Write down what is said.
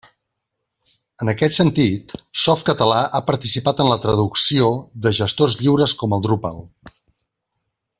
En aquest sentit, Softcatalà ha participat en la traducció de gestors lliures com el Drupal.